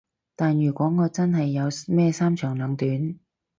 但如果我真係有咩三長兩短